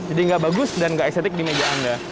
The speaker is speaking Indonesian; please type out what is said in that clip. jadi tidak bagus dan tidak estetik di meja anda